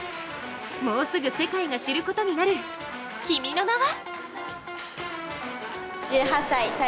もうすぐ世界が知ることになる、君の名は？